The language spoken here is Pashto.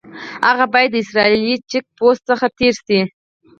هغه باید د اسرائیلي چیک پوسټ څخه تېر شي.